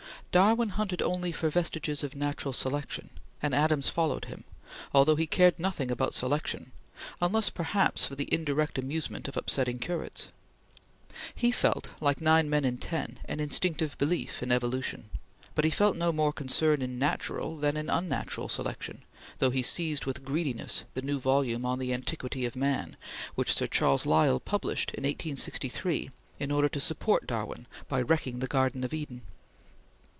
Darwin hunted only for vestiges of Natural Selection, and Adams followed him, although he cared nothing about Selection, unless perhaps for the indirect amusement of upsetting curates. He felt, like nine men in ten, an instinctive belief in Evolution, but he felt no more concern in Natural than in unnatural Selection, though he seized with greediness the new volume on the "Antiquity of Man" which Sir Charles Lyell published in 1863 in order to support Darwin by wrecking the Garden of Eden.